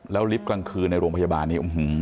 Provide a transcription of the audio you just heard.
แล้วลิฟต์กลางคืนในโรงพยาบาลนี้